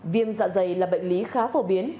viêm dạ dày là bệnh lý khá phổ biến